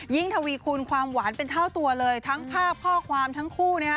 ทวีคูณความหวานเป็นเท่าตัวเลยทั้งภาพข้อความทั้งคู่